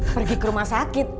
pergi ke rumah sakit